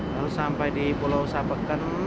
lalu sampai di pulau sapekan